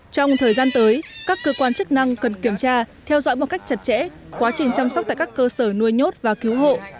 trong thời gian tới các cơ quan chức năng cần kiểm tra theo dõi một cách chặt chẽ quá trình chăm sóc tại các cơ sở nuôi nhốt và cứu hộ